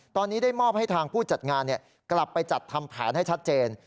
ตอนนี้ได้มอบให้ทางผู้จัดงานกลับไปจัดทำแผนให้ชัดเจน